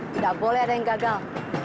tidak boleh ada yang gagal